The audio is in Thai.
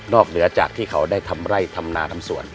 เหนือจากที่เขาได้ทำไร่ทำนาทำสวน